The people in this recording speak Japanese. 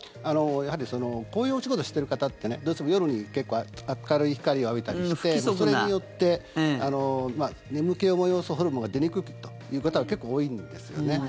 やはりこういうお仕事してる方ってどうしても夜に結構明るい光を浴びたりしてそれによって眠気を催すホルモンが出にくいということは結構多いんですよね。